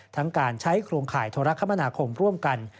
ทั้งการใช้โครงข่ายโทรคมนาคมร่วมกัน